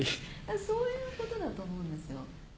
そういうことだと思うんですよ。